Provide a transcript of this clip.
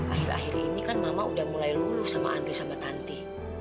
akhir akhir ini kan mama udah mulai lulus sama andri sama tante